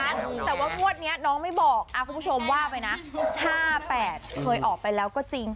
แต่ว่างวดนี้น้องไม่บอกคุณผู้ชมว่าไปนะ๕๘เคยออกไปแล้วก็จริง